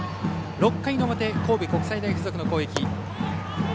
６回の表神戸国際大付属の攻撃。